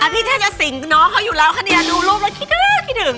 พี่แทบจะสิงน้องเขาอยู่แล้วคะเนี่ยดูรูปแล้วคิดถึงคิดถึง